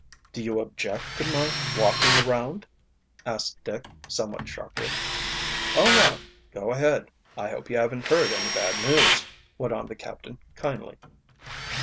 "Do you object to my walking around?" asked Dick, somewhat sharply. "Oh, no; go ahead. I hope you haven't heard any bad news," went on the captain kindly.